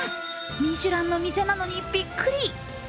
ミシュランの店なのにビックリ。